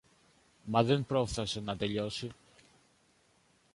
Μα δεν πρόφθασε να τελειώσει.